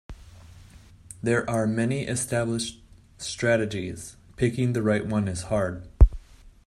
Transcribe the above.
There are many established strategies, picking the right one is hard.